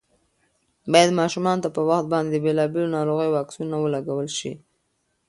باید ماشومانو ته په وخت باندې د بېلابېلو ناروغیو واکسینونه ولګول شي.